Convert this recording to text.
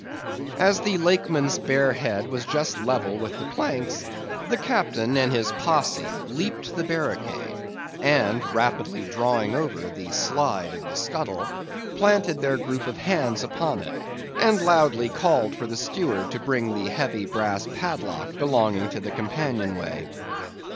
"As the Lakeman's bare head was just level with the planks, the Captain and his posse leaped the barricade, and rapidly drawing over the slide of the scuttle, planted their group of hands upon it, and loudly called for the steward to bring the heavy brass padlock belonging to the companionway.